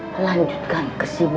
kalau kalian sibuk